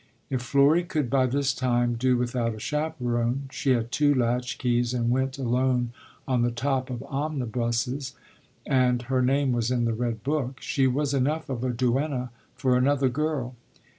If Florry could by this time do without a chaperon she had two latchkeys and went alone on the top of omnibuses, and her name was in the Red Book she was enough of a duenna for another girl.